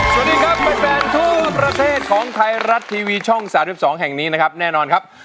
สวัสดีครับแฟนทั่วประเทศของไทยรัฐทีวีช่อง๓๒แห่งนี้นะครับแน่นอนครับ